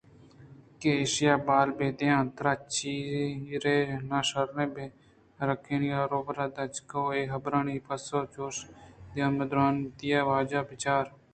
کہ ایشاں بال بِہ دئیان ءُ ترا چرے ناشراں بِہ رکہیّناں روبا ہ ءَ دجُکّ ءِ اے حبرانی پسّہ چُش دئیان ءَ درّائینتمنی واجہ! بِہ چار